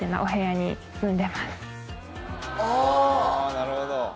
なるほど。